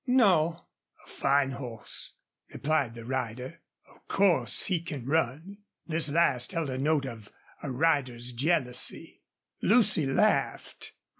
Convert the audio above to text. "No." "A fine horse," replied the rider. "Of course he can run?" This last held a note of a rider's jealousy. Lucy laughed.